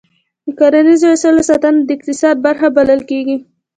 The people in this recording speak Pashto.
د کرنیزو وسایلو ساتنه د اقتصاد برخه بلل کېږي.